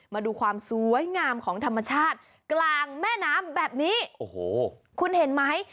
มาดูความสวยงามของธรรมชาติกลางแม่น้ำแบบนี้โอ้โหคุณเห็นไหม